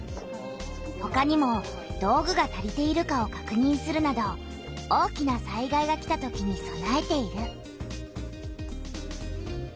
ほかにも道具が足りているかをかくにんするなど大きな災害が来たときにそなえている。